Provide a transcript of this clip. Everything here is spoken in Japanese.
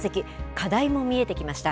課題も見えてきました。